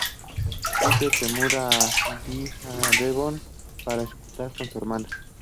Peter se muda a Devon para estar con su hermana.